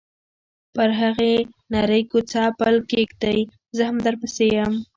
پر هغې نرۍ کوڅه پل کېږدۍ، زه هم درپسې یم.